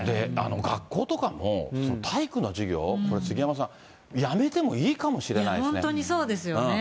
学校とかも、体育の授業、杉山さん、やめてもいいかもしれないや、本当にそうですよね。